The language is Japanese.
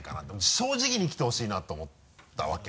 正直に生きてほしいなと思ったわけ。